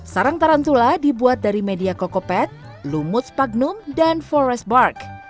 sarang tarantula dibuat dari media cokopet lumut spaknum dan forest bark